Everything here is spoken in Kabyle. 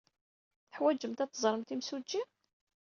Teḥwajemt ad teẓremt imsujji?